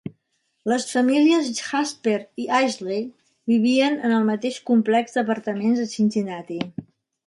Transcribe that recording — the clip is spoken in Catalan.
Les famílies Jasper i Isley vivien en el mateix complex d'apartaments a Cincinnati.